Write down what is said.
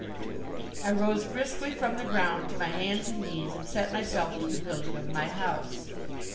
I rose briskly from the ground to my hands and knees and set myself to the building of my house.